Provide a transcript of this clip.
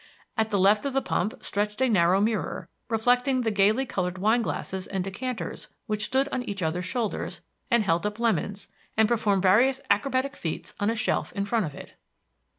At the left of the pump stretched a narrow mirror, reflecting he gaily colored wine glasses and decanters which stood on each other's shoulders, and held up lemons, and performed various acrobatic feats on a shelf in front of it.